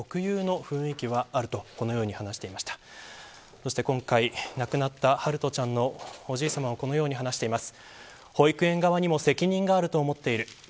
そして、今回亡くなった陽翔ちゃんのおじいさまはこのように話しています。